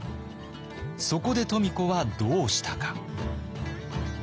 そこで富子はどうしたか。